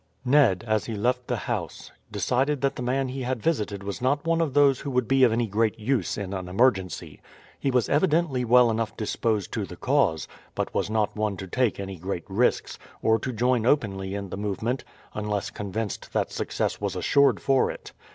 Ned, as he left the house, decided that the man he had visited was not one of those who would be of any great use in an emergency. He was evidently well enough disposed to the cause, but was not one to take any great risks, or to join openly in the movement unless convinced that success was assured for it.